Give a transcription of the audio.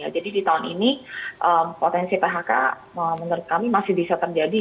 jadi di tahun ini potensi phk menurut kami masih bisa terjadi